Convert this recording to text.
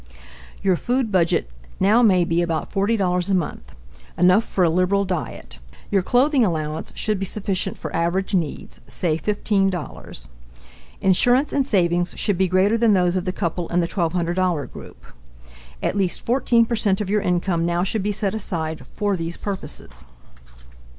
Your food budget now may be about $40 a month enough for a liberal diet. Your clothing allowance should be sufficient for average needs say, $15. Insurance and savings should be greater than those of the couple in the $1200 group. At least 14 percent of your income now should be set aside for these purposes.